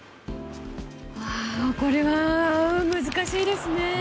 これは難しいですね。